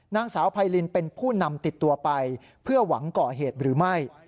นางสาวไพรินเป็นผู้นำติดตัวไปเพื่อหวังก่อเหตุหรือไม่